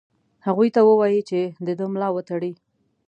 هغوی ته ووايی چې د ده ملا وتړي.